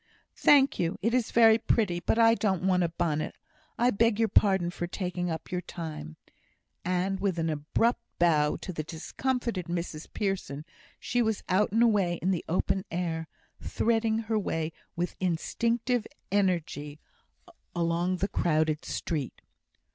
"Thank you. It is very pretty. But I don't want a bonnet. I beg your pardon for taking up your time." And with an abrupt bow to the discomfited Mrs Pearson, she was out and away in the open air, threading her way with instinctive energy along the crowded street.